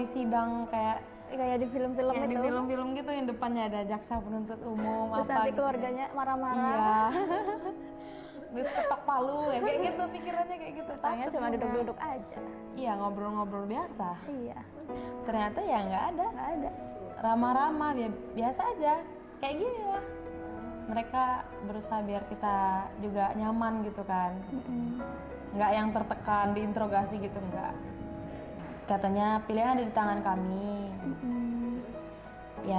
semoga webisode terakhir terima kasih